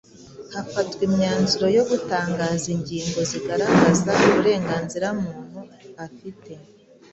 hafatwa imyanzuro yo gutangaza ingingo zigaragaza uburenganzira umuntu afite